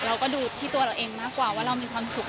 เราก็ดูที่ตัวเราเองมากกว่าว่าเรามีความสุข